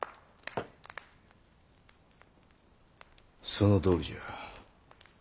そのとおりじゃ。